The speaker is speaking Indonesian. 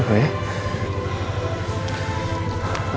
gak apa apa ya